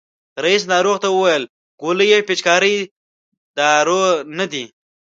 رئیس ناروغ ته وویل ګولۍ او پيچکاري دارو نه دي.